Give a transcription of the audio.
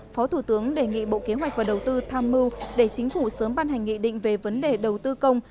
phó thủ tướng đề nghị bộ kế hoạch và đầu tư tham mưu để chính phủ sớm ban hành nghị định về vấn đề đầu tư công